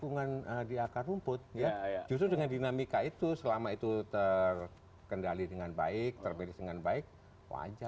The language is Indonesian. badi akar rumput serves dengan dinamika itu selama itu terkendali dengan baik terbincang corner